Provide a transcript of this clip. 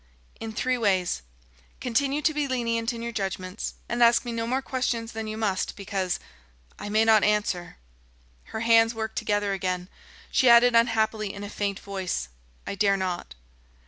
"In three ways: Continue to be lenient in your judgments, and ask me no more questions than you must because ... I may not answer...." Her hands worked together again. She added unhappily, in a faint voice: "I dare not."